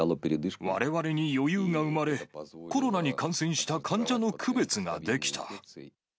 われわれに余裕が生まれ、コロナに感染した患者の区別ができた。